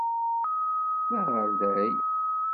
D aɣerday.